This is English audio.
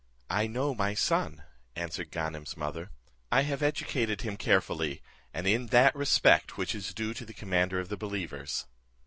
"I know my son," answered Ganem's mother; "I have educated him carefully, and in that respect which is due to the commander of the believers.